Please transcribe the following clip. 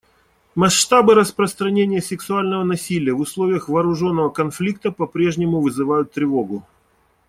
Масштабы распространения сексуального насилия в условиях вооруженного конфликта попрежнему вызывают тревогу.